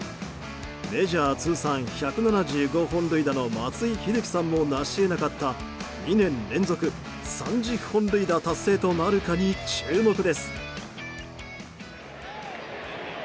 メジャー通算１７５本塁打の松井秀喜さんも成し得なかった２年連続３０本塁打達成となるかに注目です。